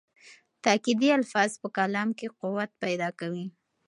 تاکېدي الفاظ په کلام کې قوت پیدا کوي.